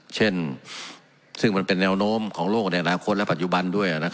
เช่นซึ่งมันเป็นแนวโน้มของโลกในอนาคตและปัจจุบันด้วย